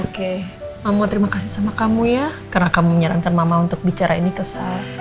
oke mama terima kasih sama kamu ya karena kamu menyarankan mama untuk bicara ini ke saya